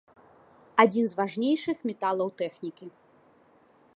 Адзін з важнейшых металаў тэхнікі.